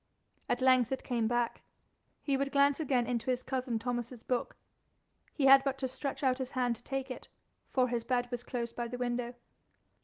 At length it came back: he would glance again into his cousin Thomas's book. He had but to stretch out his hand to take it, for his bed was close by the window.